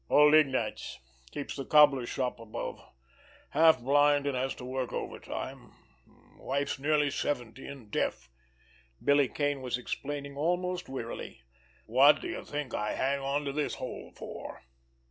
"Old Ignace—keeps the cobbler's shop above—half blind, and has to work overtime—wife's nearly seventy, and deaf." Billy Kane was explaining almost wearily. "What do you think I hang onto this hole for?"